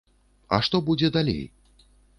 А што будзе далей?